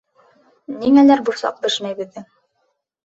Ниңәлер борсаҡ бешмәй беҙҙең.